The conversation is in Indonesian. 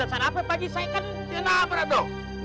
atas dasar apa pak gi saya kan dia nabrak dong